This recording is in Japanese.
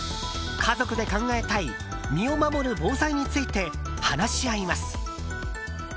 家族で考えたい身を守る防災について話し合います。